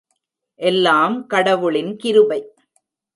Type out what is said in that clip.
எல்லாம் கடவுளின் கிருபை.